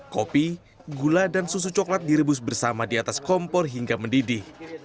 kopi gula dan susu coklat direbus bersama di atas kompor hingga mendidih